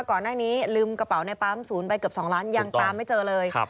ลืมกระเป๋าในปั๊มศูนย์ไปเกือบ๒ล้านยังตามไม่เจอเลย